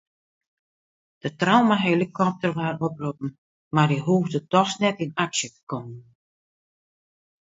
De traumahelikopter waard oproppen mar dy hoegde dochs net yn aksje te kommen.